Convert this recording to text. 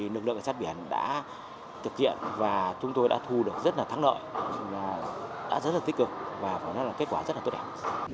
lực lượng cảnh sát biển đã thực hiện và chúng tôi đã thu được rất là thắng lợi đã rất là tích cực và phải nói là kết quả rất là tốt đẹp